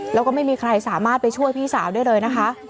แล้วก็ไม่มีใครสามารถไปช่วยพี่สาวได้เลยนะคะ